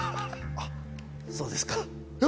あ、そうですか。